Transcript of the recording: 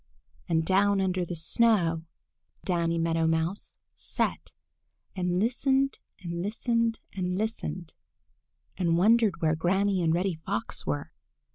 And down under the snow Danny Meadow Mouse sat and listened and listened and listened, and wondered where Granny and Reddy Fox were.